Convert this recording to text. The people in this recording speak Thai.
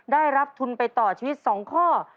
ได้รับทุนไปต่อชีวิต๒ข้อ